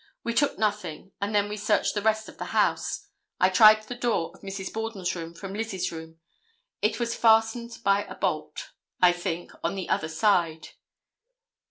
We took nothing, and then we searched the rest of the house. I tried the door of Mrs. Borden's room, from Miss Lizzie's room. It was fastened by a bolt, I think, on the other side."